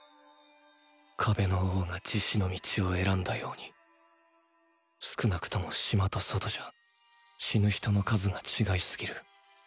壁の王が自死の道を選んだように少なくとも「島」と「外」じゃ死ぬ人の数が違いすぎる。